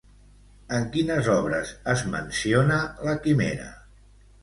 En quines obres es menciona la Quimera?